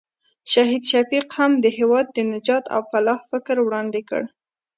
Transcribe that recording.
شهید شفیق هم د هېواد د نجات او فلاح فکر وړاندې کړ.